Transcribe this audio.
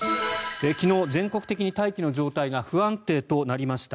昨日、全国的に大気の状態が不安定となりました。